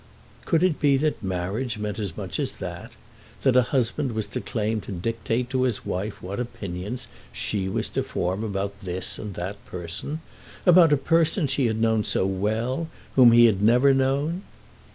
Could it be that marriage meant as much as that, that a husband was to claim to dictate to his wife what opinions she was to form about this and that person, about a person she had known so well, whom he had never known?